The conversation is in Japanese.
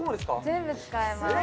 全部使えます